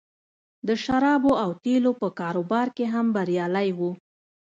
د شرابو او تیلو په کاروبار کې هم بریالی و